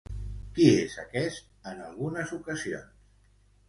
Qui és aquest, en algunes ocasions?